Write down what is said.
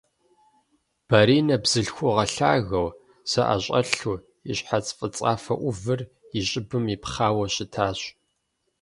Баринэ бзылъхугъэ лъагэу, зэӀэщӀэлъу, и щхьэц фӀыцӀафэ Ӏувыр и щӀыбым ипхъауэ щытащ.